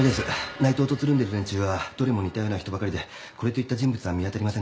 内藤とつるんでる連中はどれも似たような人ばかりでこれといった人物は見当たりませんでした。